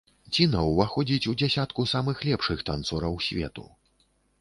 Ціна ўваходзіць у дзясятку самых лепшых танцораў свету.